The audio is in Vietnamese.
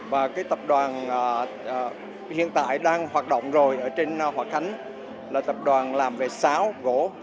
và cái tập đoàn hiện tại đang hoạt động rồi ở trên hòa khánh là tập đoàn làm về sáo gỗ